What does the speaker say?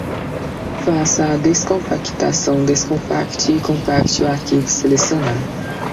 Faça a descompactação, descompacte e compacte o arquivo selecionado